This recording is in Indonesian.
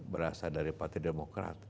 berasal dari partai demokrat